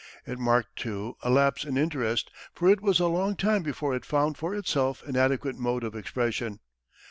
It marked, too, a lapse in interest, for it was a long time before it found for itself an adequate mode of expression.